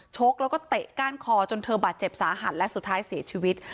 กแล้วก็เตะก้านคอจนเธอบาดเจ็บสาหัสและสุดท้ายเสียชีวิต